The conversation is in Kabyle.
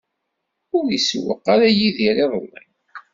Ur isewweq ara Yidir iḍelli.